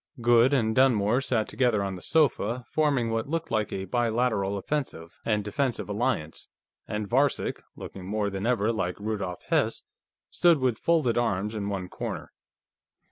Goode and Dunmore sat together on the sofa, forming what looked like a bilateral offensive and defensive alliance, and Varcek, looking more than ever like Rudolf Hess, stood with folded arms in one corner.